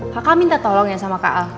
kakak minta tolong ya sama kak al